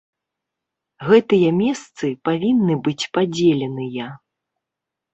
Гэтыя месцы павінны быць падзеленыя.